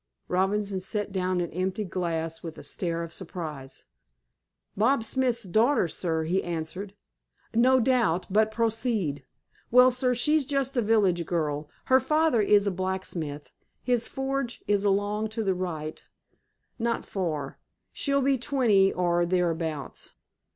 Robinson set down an empty glass with a stare of surprise. "Bob Smith's daughter, sir," he answered. "No doubt. But, proceed." "Well, sir, she's just a village girl. Her father is a blacksmith. His forge is along to the right, not far. She'll be twenty, or thereabouts."